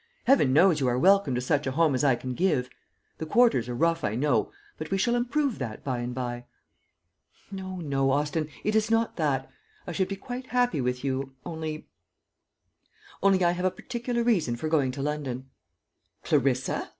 Heaven knows, you are welcome to such a home as I can give. The quarters are rough, I know; but we shall improve that, by and by." "No, no, Austin, it is not that. I should be quite happy with you, only only I have a particular reason for going to London." "Clarissa!"